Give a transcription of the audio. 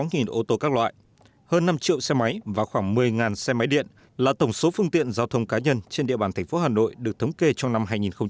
hơn năm trăm bốn mươi sáu ô tô các loại hơn năm triệu xe máy và khoảng một mươi xe máy điện là tổng số phương tiện giao thông cá nhân trên địa bàn thành phố hà nội được thống kê trong năm hai nghìn một mươi năm